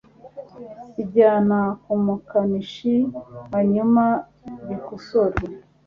Bijyana kumukanishi, hanyuma bikosorwe.